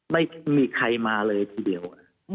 ไม่มีใครมาเลยทีเดียว